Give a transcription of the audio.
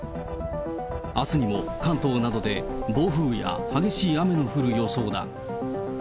あすにも関東などで、暴風や激しい雨の降る予想だ。